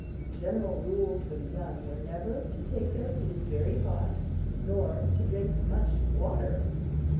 General rules for the young were never to take their food very hot, nor to drink much water.